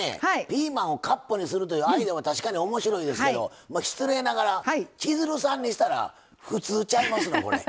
ピーマンをカップにするというアイデアは確かにおもしろいですけど失礼ながら千鶴さんにしたら普通ちゃいますの？